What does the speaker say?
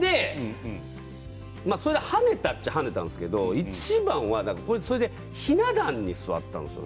それで、はねたといえばはねたんですけどいちばんはひな壇に座ったんですよ。